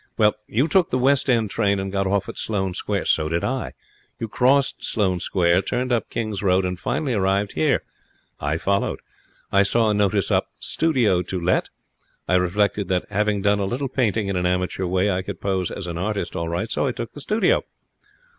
Well, you took the West End train and got off at Sloane Square. So did I. You crossed Sloane Square, turned up King's Road, and finally arrived here. I followed. I saw a notice up, "Studio to Let". I reflected that, having done a little painting in an amateur way, I could pose as an artist all right; so I took the studio.